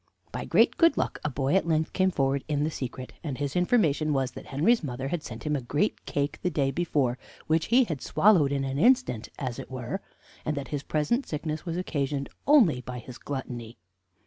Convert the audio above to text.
"By great good luck, a boy at length came forward in the secret; and his information was that Henry's mother had sent him a great cake the day before, which he had swallowed in an instant, as it were, and that his present sickness was occasioned only by his gluttony.